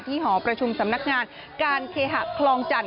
หอประชุมสำนักงานการเคหะคลองจันท